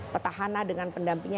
petahana dengan pendampingnya